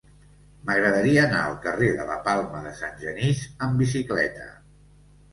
M'agradaria anar al carrer de la Palma de Sant Genís amb bicicleta.